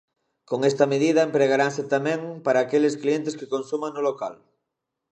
Con esta medida, empregaranse tamén para aqueles clientes que consuman no local.